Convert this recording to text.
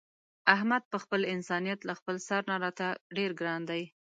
احمد په خپل انسانیت له خپل سر نه راته ډېر ګران دی.